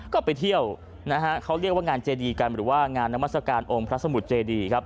ก็ไปเที่ยวนะฮะเขาเรียกว่างานเจดีกันหรือว่างานนามัศกาลองค์พระสมุทรเจดีครับ